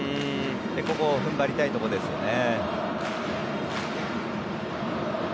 ここは踏ん張りたいところですよね。